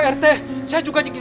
sete dua satu tragic